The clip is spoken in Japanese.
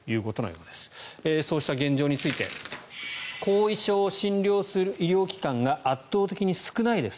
そうした現状について後遺症を診療する医療機関が圧倒的に少ないです。